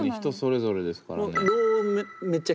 人それぞれですからね。